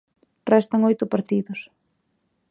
Restan oito partidos.